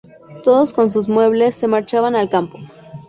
Todos con sus muebles se marchaban al campo.